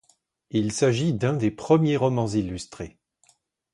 Il s'agit d'un des premiers romans illustrés.